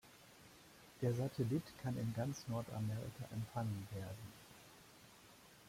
Der Satellit kann in ganz Nordamerika empfangen werden.